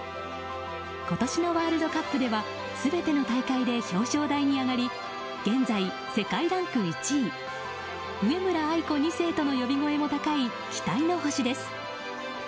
今年のワールドカップでは全ての大会で表彰台に上がり現在、世界ランク１位。上村愛子２世との呼び声も高い期待の星です。